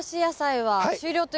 はい。